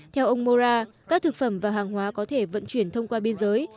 theo ông mora các thực phẩm và hàng hóa có thể vận chuyển thông qua biên giới